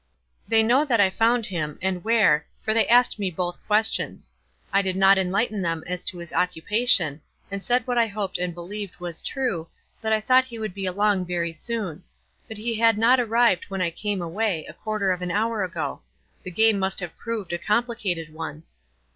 "They know that I found him — and where — for they asked me both questions. I did not enlighten them as to his occupation, and said what I hoped and believed was true, that I thought he would be along very soon ; but he had not arrived when I came away, a quarter of an hour ago. The game must have proved a complicated one."